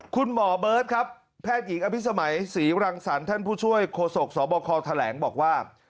คุณหมอเบิร์ตครับแพทย์หญิงอภิษมัยศรีรังสรรค์ท่านผู้ช่วยโฆษกสบคแถลงบอกว่า